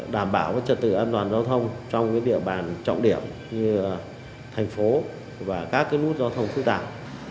đảm bảo trật tự an toàn giao thông trong địa bàn trọng điểm như thành phố và các nút giao thông phức tạp